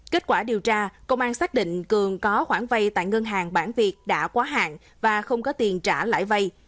kết quả điều tra công an xác định cường có khoản vay tại ngân hàng bản việc đã quá hạn và không có tiền trả lại vay